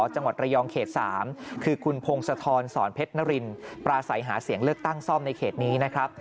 จังหวัดระยองเขต๓คือคุณพงศธรสอนเพชรนรินปราศัยหาเสียงเลือกตั้งซ่อมในเขตนี้นะครับ